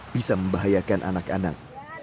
bisa membahayakan anak anak